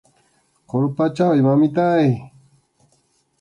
Qurpachaway, mamitáy.